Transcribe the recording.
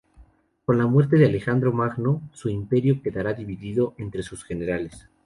Con la muerte de Alejandro Magno, su imperio quedará dividido entre sus generales.